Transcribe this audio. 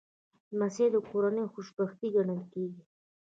لمسی د کورنۍ خوشبختي ګڼل کېږي.